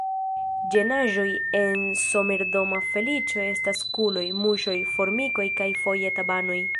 Ĝenaĵoj en somerdoma feliĉo estas kuloj, muŝoj, formikoj kaj foje tabanoj.